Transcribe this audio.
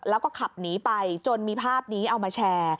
แล้วก็ขับหนีไปจนมีภาพนี้เอามาแชร์